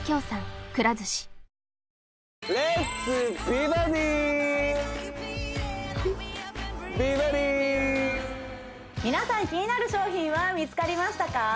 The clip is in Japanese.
美バディ美バディ皆さん気になる商品は見つかりましたか？